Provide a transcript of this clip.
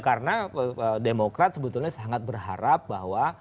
karena demokrat sebetulnya sangat berharap bahwa